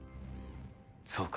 そうか。